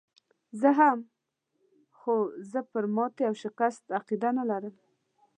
زه هم، خو زه پر ماتې او شکست عقیده نه لرم.